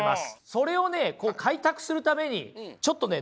それをね開拓するためにちょっとね